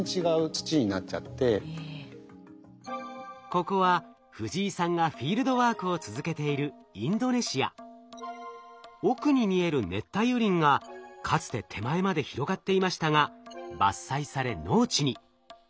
ここは藤井さんがフィールドワークを続けている奥に見える熱帯雨林がかつて手前まで広がっていましたが伐採され農地に。